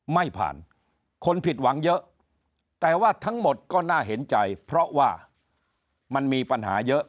ไม่ผ่านคนผิดหวังเยอะแต่ว่าทั้งหมดก็น่าเห็นใจเพราะว่ามันมีปัญหาเยอะ